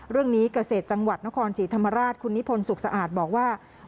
เรื่องนี้เกษตรจังหวัดนครศรีธรรมราชคุณนิโพนสุขสาดบอกว่า